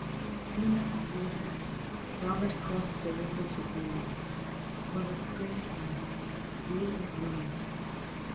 Two nights later Eobert crossed the river to Greenock. It was a strange night, weird and gloomy.